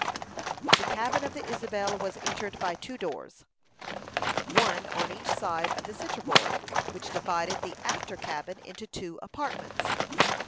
The cabin of the Isabel was entered by two doors, one on each side of the centre board, which divided the after cabin into two apartments.